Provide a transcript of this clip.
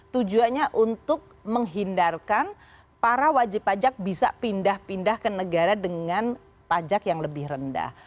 tujuannya untuk menghindarkan para wajib pajak bisa pindah pindah ke negara dengan pajak yang lebih rendah